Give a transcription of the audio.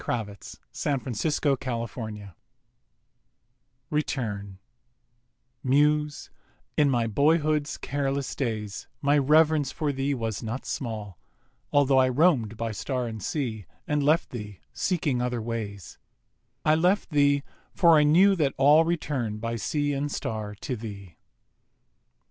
1882. APOLOGUES RETURN Muse, in my boyhood's careless days My rev'rence for thee was not small, Altho' I roam'd by Star and Sea And left thee, seeking other ways— I left thee, for I knew that all Return by Sea and Star to thee.